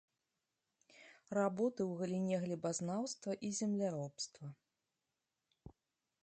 Работы ў галіне глебазнаўства і земляробства.